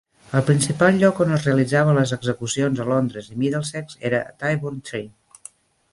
El principal lloc on es realitzaven les execucions a Londres i Middlesex era a Tyburn Tree.